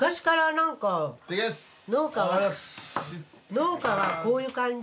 農家はこういう感じ。